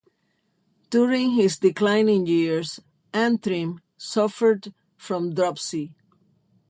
During his declining years, Antrim suffered from dropsy.